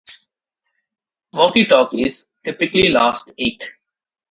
Walkie talkies typically last eight.